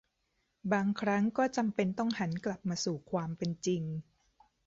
บางครั้งก็จำเป็นต้องหันกลับมาสู่ความเป็นจริง